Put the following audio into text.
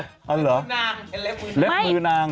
แล้วมันนางเห็นเล็บมือนาง